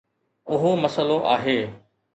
اهو مسئلو آهي.